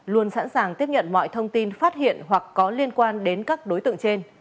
luôn sẵn sàng tiếp nhận mọi thông tin phát hiện hoặc có liên quan đến các đối tượng trên